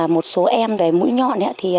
một số em về mũi nhọn